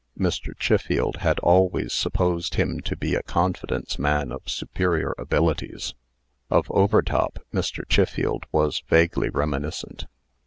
Mr. Chiffield had always supposed him to be a confidence man of superior abilities. Of Overtop, Mr. Chiffield was vaguely reminiscent.